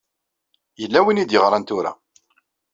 Yella win i d-yeɣṛan tura.